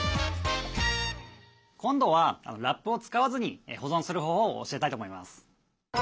今度はラップを使わずに保存する方法を教えたいと思います。